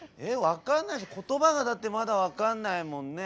分かんない言葉がだってまだ分かんないもんね」。